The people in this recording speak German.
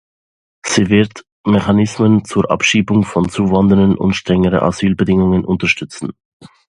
Sie wird Mechanismen zur Abschiebung von Zuwanderern und strengere Asylbedingungen unterstützen.